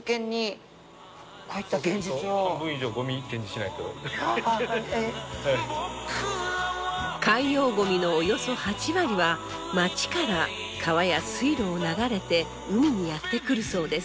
なんといっても海洋ゴミのおよそ８割は町から川や水路を流れて海にやって来るそうです。